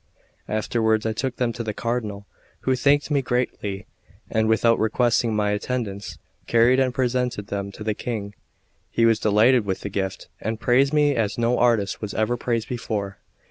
Afterwards I took them to the Cardinal, who thanked me greatly; and, without requesting my attendance, carried and presented them to the King. He was delighted with the gift, and praised me as no artist was ever praised before.